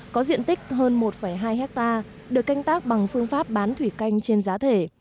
có diện tích hơn một hai hectare được canh tác bằng phương pháp bán thủy canh trên giá thể